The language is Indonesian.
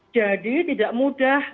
jadi tidak mudah